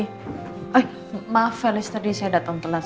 eh maaf felis tadi saya datang telat